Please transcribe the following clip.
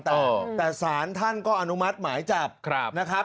แต่สารท่านก็อนุมัติหมายจับนะครับ